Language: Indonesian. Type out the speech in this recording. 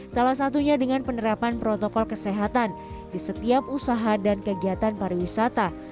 salah satunya dengan penerapan protokol kesehatan di setiap usaha dan kegiatan pariwisata